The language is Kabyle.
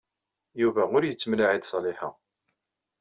Yuba ur yettemlaɛi ed Ṣaliḥa.